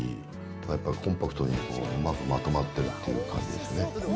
やっぱコンパクトに味がうまくまとまってるって感じですね。